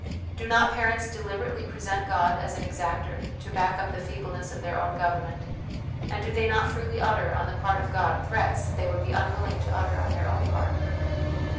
Do not parents deliberately present God as an exactor, to back up the feebleness of their own government ; and do they not freely utter, on the part of God, threats they would be unwilling to utter on their own part